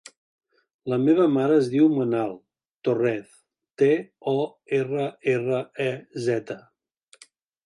La meva mare es diu Manal Torrez: te, o, erra, erra, e, zeta.